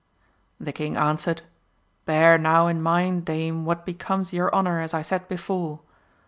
The king answered, Bear now in mind dame what becomes your honour as I said before